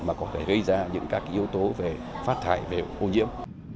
mà có thể gây ra những các yếu tố về phát thải về ô nhiễm